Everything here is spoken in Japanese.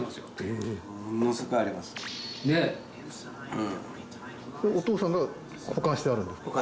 うんお父さんが保管してあるんですか？